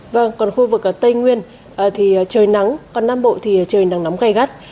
vâng còn khu vực tây nguyên thì trời nắng còn nam bộ thì trời nắng gây gắt